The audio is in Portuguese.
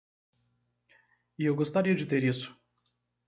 E eu gostaria de ter isso!